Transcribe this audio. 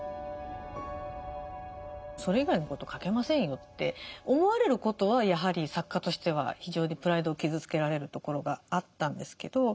それ以外のこと書けませんよって思われることはやはり作家としては非常にプライドを傷つけられるところがあったんですけど。